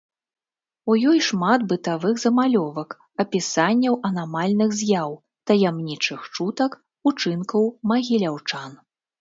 У ёй шмат бытавых замалёвак, апісанняў анамальных з'яў, таямнічых чутак, учынкаў магіляўчан.